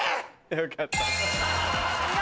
よかったな。